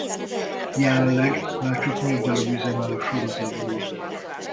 Jelenleg már csak négy db üzemel a sorozatból.